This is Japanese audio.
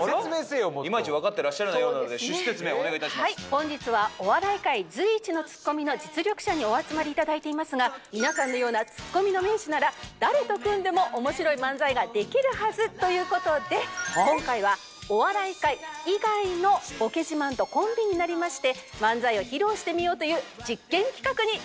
本日はお笑い界随一のツッコミの実力者にお集まりいただいていますが皆さんのようなツッコミの名手なら誰と組んでも面白い漫才ができるはずという事で今回はお笑い界以外のボケ自慢とコンビになりまして漫才を披露してみようという実験企画になってございます。